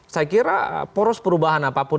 saya kira poros perubahan apapun